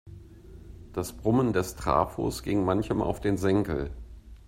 Das Brummen des Trafos ging manchem auf den Senkel.